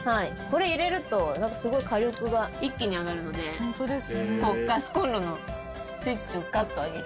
これ入れるとなんかすごい火力が一気に上がるのでガスコンロのスイッチをガッと上げるような。